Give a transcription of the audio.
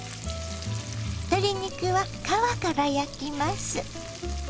鶏肉は皮から焼きます。